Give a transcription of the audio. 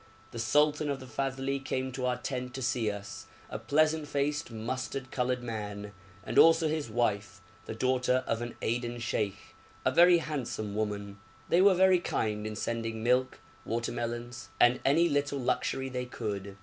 The sultan of the Fadhli came to our tent to see us a pleasant faced mustard coloured man; and also his wife, the daughter of an Aden sheikh, a very handsome woman. They were very kind in sending milk, watermelons, and any little luxury they could.